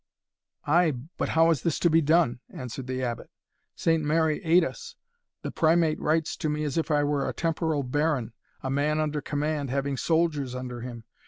"Ay, but how is this to be done?" answered the Abbot; "Saint Mary aid us! The Primate writes to me as if I were a temporal baron a man under command, having soldiers under him!